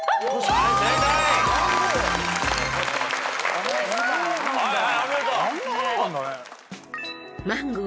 あんな花なんだね。